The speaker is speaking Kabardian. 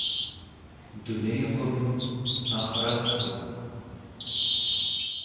Дунейкъым, ахърэткъым.